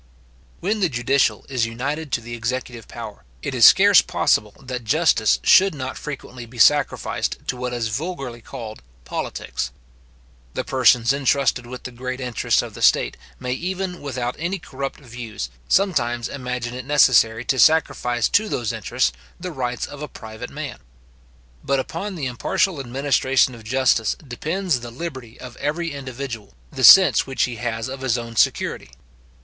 When the judicial is united to the executive power, it is scarce possible that justice should not frequently be sacrificed to what is vulgarly called politics. The persons entrusted with the great interests of the state may even without any corrupt views, sometimes imagine it necessary to sacrifice to those interests the rights of a private man. But upon the impartial administration of justice depends the liberty of every individual, the sense which he has of his own security.